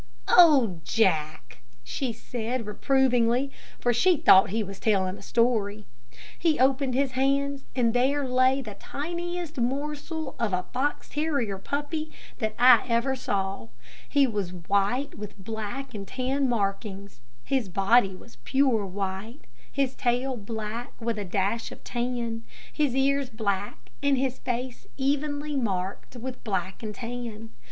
"Oh, Jack," she said, reprovingly; for she thought he was telling a story. He opened his hands and there lay the tiniest morsel of a fox terrier puppy that I ever saw. He was white, with black and tan markings. His body was pure white, his tail black, with a dash of tan; his ears black, and his face evenly marked with black and tan.